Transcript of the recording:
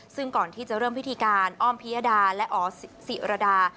ซึ่งก่อนที่จะเริ่มพิธีการอ้อมพิยดาและอ๋อศิรดา